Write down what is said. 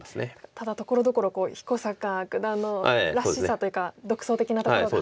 ただところどころ彦坂九段のらしさというか独創的なところが見られましたよね。